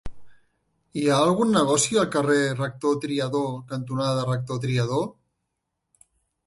Hi ha algun negoci al carrer Rector Triadó cantonada Rector Triadó?